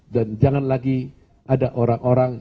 dan jangan lagi ada orang orang